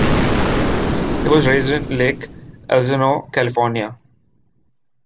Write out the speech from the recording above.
He was raised in Lake Elsinore, California.